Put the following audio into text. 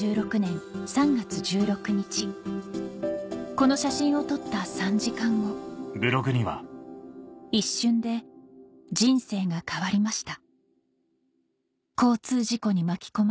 この写真を撮った３時間後一瞬で人生が変わりました